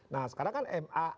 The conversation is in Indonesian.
nah sekarang kan ma